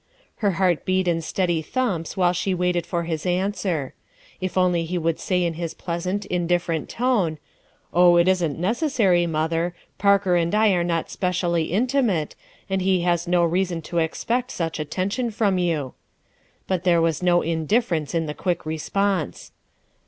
Her heart beat in steady thumps while she waited for his answer. If only he would say in Ins pleasant, indifferent tone: —" Oh, it isn't necessary, mother; Parker and I are not especially intimate, and he has no rea son to expect such attentions from you." But there was no indifference in the quick response.